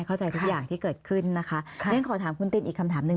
เข้าใจทุกอย่างที่เกิดขึ้นนะคะเรียนขอถามคุณตินอีกคำถามหนึ่ง